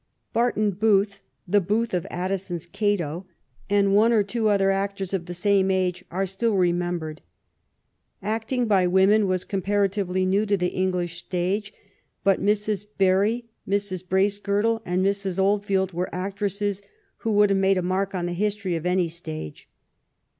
Barton Booth — the Booth of Addison's Cato — and one or two other actors of the same age are still remem bered. Acting by women was comparatively new to the English stage, but Mrs. Barry, Mrs. Bracegirdle, and Mrs. Oldfield were actresses who would have made a mark in the history of any stage.